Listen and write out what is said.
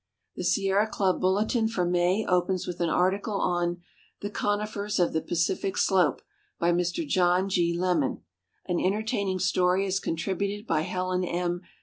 The Sierra C'lnh Ihilldin for May opens with an article on " The Conifers of the Pacific Sloi)e." by Mr John G. Lemmon. An entertaining story is contributed by Helen M.